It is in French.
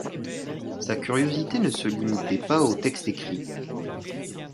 Sa curiosité ne se limitait pas aux textes écrits.